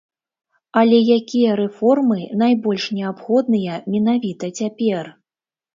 Але якія рэформы найбольш неабходныя менавіта цяпер?